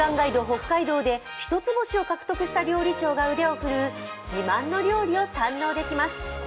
北海道で一つ星を獲得した料理長が腕を振るう自慢の料理を堪能できます。